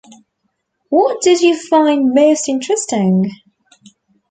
What did you find most interesting?